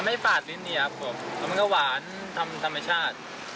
ไม่เปิดลิ้นดิครับผมแล้วมันก็หวานทำธรรมชาติ